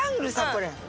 これ。